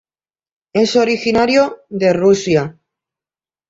Es originario de Rusia.